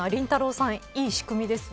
さんいい仕組みですね。